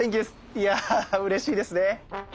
いやうれしいですね。